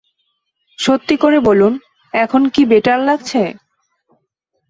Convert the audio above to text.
সত্যি করে বলুন, এখন কি বেটার লাগছে?